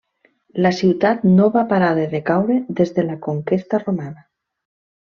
La ciutat no va parar de decaure des de la conquesta romana.